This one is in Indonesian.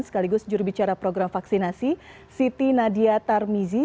sekaligus jurubicara program vaksinasi siti nadia tarmizi